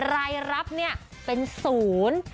รายรับเป็นศูนย์